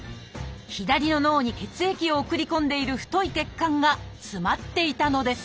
左の脳に血液を送り込んでいる太い血管が詰まっていたのです。